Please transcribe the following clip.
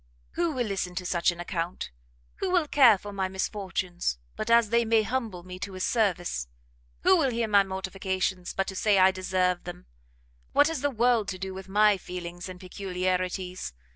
Who will listen to such an account? who will care for my misfortunes, but as they may humble me to his service? Who will hear my mortifications, but to say I deserve them? what has the world to do with my feelings and peculiarities?